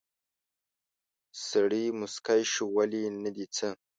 سړی موسکی شو: ولې، نه دي څه؟